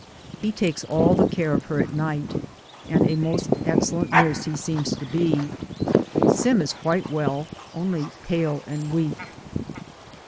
He takes all the care of her at night, and a most excellent nurse he seems to be. Sim is quite well, only pale and weak.